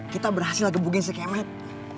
kita berhasil ngebuging si kayak matt